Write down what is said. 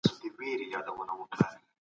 د سرمايې ټيټ حاصل پانګوال خپه کړل.